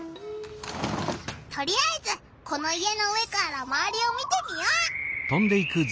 とりあえずこの家の上からまわりを見てみよう！